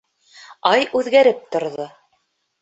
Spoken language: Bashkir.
Ай үҙгәреп торҙо.